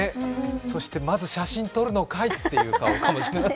そして、まず写真撮るのかい？っていう顔かも。